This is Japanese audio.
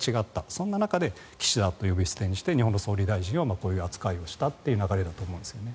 そんな中で岸田と呼び捨てにして日本の総理大臣をこうした扱いにしたという流れだと思います。